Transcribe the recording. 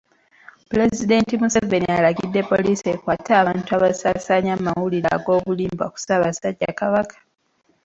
Pulezidenti Museveni alagidde poliisi ekwate abantu abasaasaanya amawulire ag’obulimba ku Ssaabasajja Kabaka.